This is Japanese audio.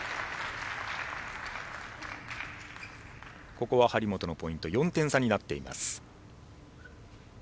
ここは張本のポイント４点差になっています。